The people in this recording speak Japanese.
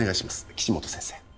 岸本先生